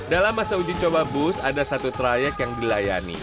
dalam masa uji coba bus ada satu trayek yang dilayani